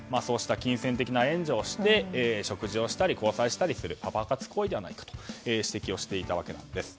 金銭的な援助をして食事をしたり交際したりするパパ活行為ではないかと指摘をしていたわけなんです。